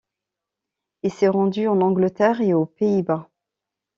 Il s'est rendu en Angleterre et aux Pays-Bas.